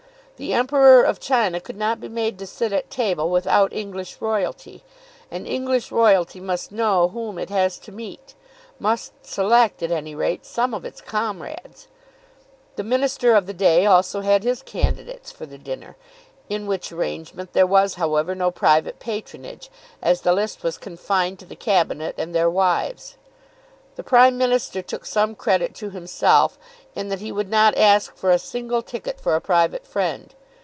The Emperor of China could not be made to sit at table without English royalty, and English royalty must know whom it has to meet, must select at any rate some of its comrades. The minister of the day also had his candidates for the dinner, in which arrangement there was however no private patronage, as the list was confined to the cabinet and their wives. The Prime Minister took some credit to himself in that he would not ask for a single ticket for a private friend.